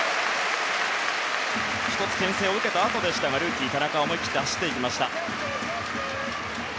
１つ、牽制を受けたあとでしたがルーキーの田中思い切って走りました。